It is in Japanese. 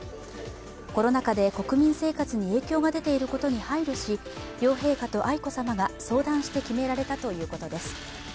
コロナ禍で国民生活に影響が出ていることに配慮し、両陛下と愛子さまが相談して決められたということです。